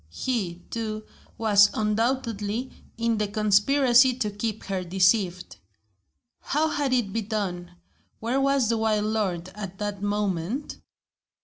He, too, was undoubtedly in the conspiracy to keep her deceived. How had it been done? Where was the wild lord, at that moment?